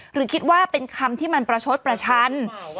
หรือคิดว่าเป็นคำที่มันประชดประชัน